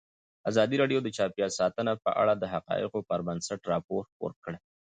ازادي راډیو د چاپیریال ساتنه په اړه د حقایقو پر بنسټ راپور خپور کړی.